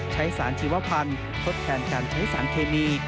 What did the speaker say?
ใช้สารชีวพันธ์ทดแทนการใช้สารเคมี